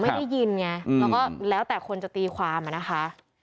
แล้วก็แล้วแต่คนจะตีความอ่ะนะคะ